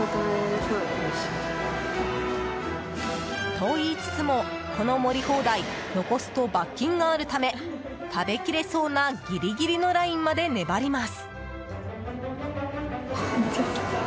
といいつつも、この盛り放題残すと罰金があるため食べきれそうなギリギリのラインまで粘ります。